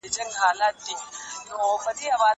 زه له سهاره کتابونه وړم!!